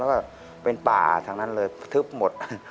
แล้วก็เป็นป่าทั้งนั้นเลยทึบหมด